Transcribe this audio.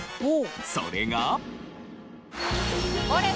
それが。